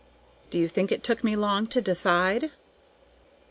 Do you think it took me long to decide?